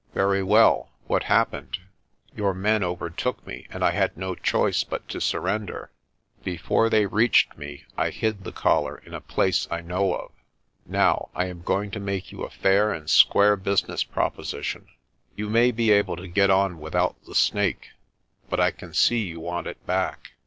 Very well, what happened? Your men overtook me and I had no choice but to surrender. Before they reached me, I hid the collar in a place I know of. Now, I am going to make you a fair and square business proposition. You may be able to get on without the Snake but I can see you want it back.